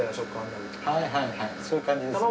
はいはいそういう感じですね。